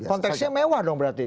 konteksnya mewah dong berarti